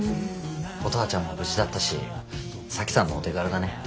乙葉ちゃんも無事だったし沙樹さんのお手柄だね。